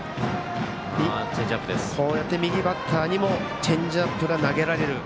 こうやって右バッターにもチェンジアップが投げられる。